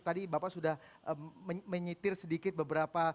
tadi bapak sudah menyetir sedikit beberapa